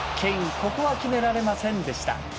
ここは決められませんでした。